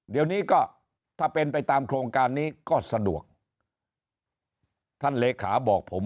เดี๋ยวนี้ก็ถ้าเป็นไปตามโครงการนี้ก็สะดวกท่านเลขาบอกผม